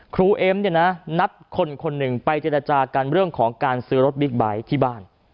เอ็มเนี่ยนะนัดคนคนหนึ่งไปเจรจากันเรื่องของการซื้อรถบิ๊กไบท์ที่บ้าน